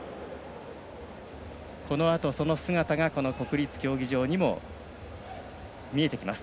このあとその姿が国立競技場にも見えてきます。